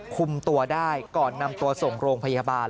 คุมตัวได้ก่อนนำตัวส่งโรงพยาบาล